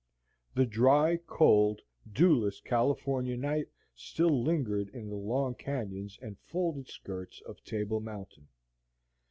The dry, cold, dewless California night still lingered in the long canyons and folded skirts of Table Mountain.